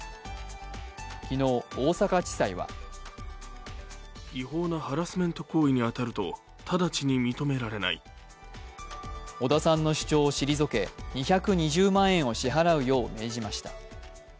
昨日、大阪地裁は織田さんの主張を退け、２２０万円を支払うよう命じました。